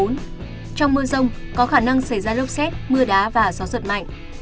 trong mưa rông có khả năng xảy ra lốc xét mưa đá và gió giật mạnh